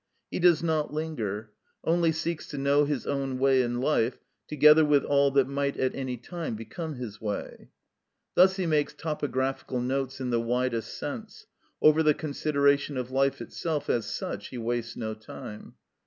He does not linger; only seeks to know his own way in life, together with all that might at any time become his way. Thus he makes topographical notes in the widest sense; over the consideration of life itself as such he wastes no time.